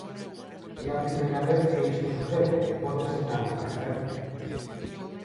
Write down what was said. É a primeira vez que isto sucede e pode sentar un precedente.